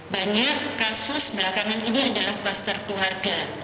banyak kasus belakangan ini adalah kluster keluarga